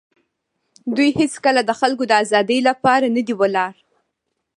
دوی هېڅکله د خلکو د آزادۍ لپاره نه دي ولاړ.